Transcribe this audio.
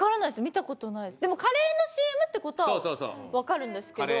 でもカレーのＣＭって事はわかるんですけど。